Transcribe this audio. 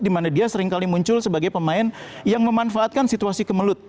dimana dia seringkali muncul sebagai pemain yang memanfaatkan situasi kemelut